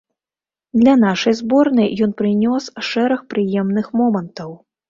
Для нашай зборнай ён прынёс шэраг прыемных момантаў.